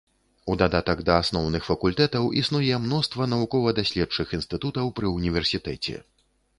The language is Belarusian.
У дадатак да асноўных факультэтаў існуе мноства навукова-даследчых інстытутаў пры ўніверсітэце.